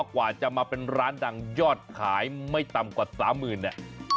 กว่าจะมาเป็นร้านดังยอดขายไม่ต่ำกว่า๓๐๐๐เนี่ย